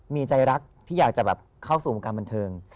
มีใจรักที่อยากจะเข้าสู่อุปกรณ์บันเทิง